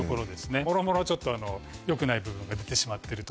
もろもろよくない部分が出てしまっていると。